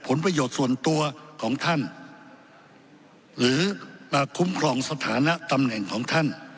ผลประโยชน์ส่วนตัวของท่านหรือมาคุ้มครองสถานะตำแหน่งของท่าน